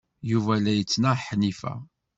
Yuba la yettnaɣ Ḥnifa.